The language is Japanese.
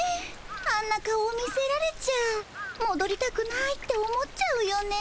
あんな顔を見せられちゃもどりたくないって思っちゃうよね。